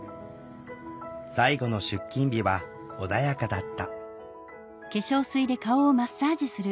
最後の出勤日は穏やかだった。